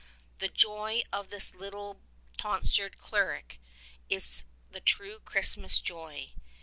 The joy of this little tonsured cleric is the true Christmas joy.